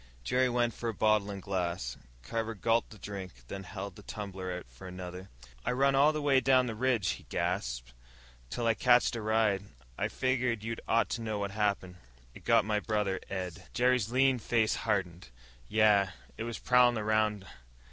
Jerry went for a bottle and glass. Carver gulped the drink, then held the tumbler out for another. "I run all the way down the ridge," he gasped, "till I catched a ride. I figgered you ought to know what happened. It got my brother Ed." Jerry's lean face hardened. "Yeah. It was prowlin' around.